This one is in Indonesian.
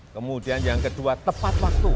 kemudian yang kedua tepat waktu